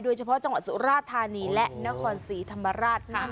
โดยเฉพาะจังหวัดสุราธานีและนครศรีธรรมราชค่ะ